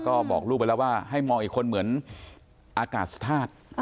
ก็บอกลูกไปแล้วว่าให้มองอีกคนเหมือนอากาศธาตุ